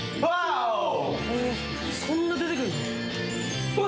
おそんな出てくるのわあ